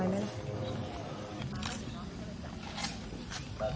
สวัสดีครับสวัสดีครับ